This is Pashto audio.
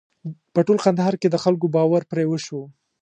په ټول کندهار کې د خلکو باور پرې وشو.